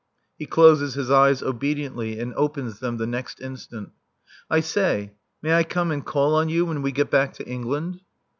He closes his eyes obediently and opens them the next instant. "I say, may I come and call on you when we get back to England?"